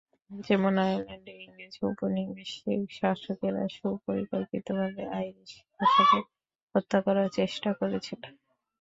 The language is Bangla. যেমন আয়ারল্যান্ডে ইংরেজ ঔপনিবেশিক শাসকেরা সুপরিকল্পিতভাবে আইরিশ ভাষাকে হত্যা করার চেষ্টা করেছেন।